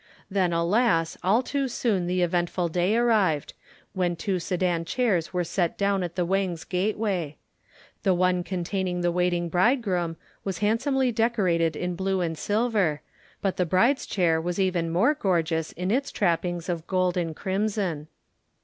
Then alas, all too soon the eventful day arrived, when two Sedan chairs were set down at the Wang's gateway. The one containing the waiting bridegroom, was handsomely decorated in blue and silver, but the bride's chair was even more gorgeous in its trappings of gold and crimson.